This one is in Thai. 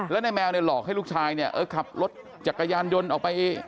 แล้วนายแมวหลอกให้ลูกชายขับรถจักรยานยนต์ออกไป